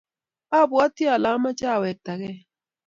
abwatii ale amoche awektakei.